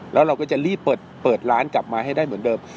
แล้วเราก็จะรีบเปิดร้านกลับมาให้ได้เหมือนเดิม